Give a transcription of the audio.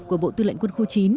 của bộ tư lệnh quân khu chín